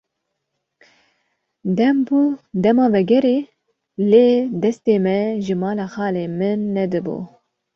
Dem bû dema vegerê, lê destê me ji mala xalê min nedibû.